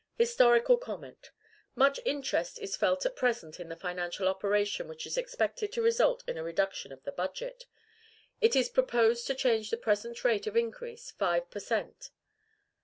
HISTORICAL COMMENT. Much interest is felt at present in a financial operation which is expected to result in a reduction of the budget. It is proposed to change the present rate of increase, five per cent.